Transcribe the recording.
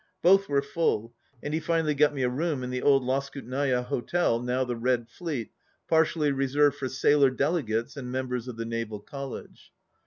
Both were full, and he finally got me a room in the old Loskutnaya Hotel, now the Red Fleet, partially reserved for sailor delegates and members of the Naval College.